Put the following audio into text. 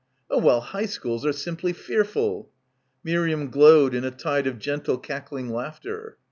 "Oh well, high schools are simply fearful." Miriam glowed in a tide of gentle cackling laughter.